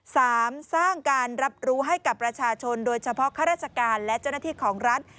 สามสร้างการรับรู้ให้กับประชาชนโดยเฉพาะข้าราชการและเจ้าหน้าที่ของรัฐ